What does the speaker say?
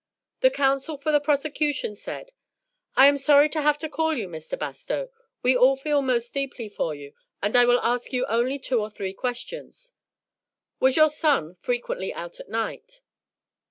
The counsel for the prosecution said: "I am sorry to have to call you, Mr. Bastow. We all feel most deeply for you, and I will ask you only two or three questions. Was your son frequently out at night?"